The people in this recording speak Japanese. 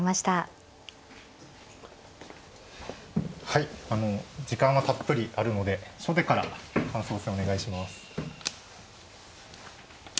はいあの時間はたっぷりあるので初手から感想戦お願いします。